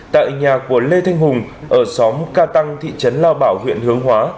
tại nhà của lê thanh hùng ở xóm ca tăng thị trấn lao bảo huyện hướng hóa